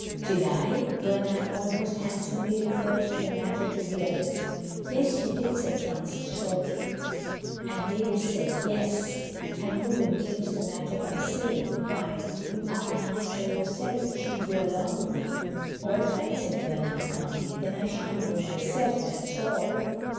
"Did I?" Bernard most handsomely referred the matter to the others. "Yes, you did," said Francis shortly. Mavis said "Yes," and Reuben clinched the matter by saying, "Why, you up and asked her yourself if she'd go along of you." "All right," said Bernard calmly. "Then I shan't go myself. That's all."